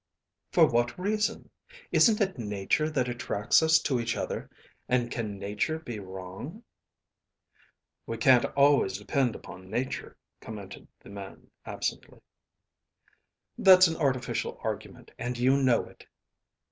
"For what reason? Isn't it Nature that attracts us to each other and can Nature be wrong?" "We can't always depend upon Nature," commented the man absently. "That's an artificial argument, and you know it."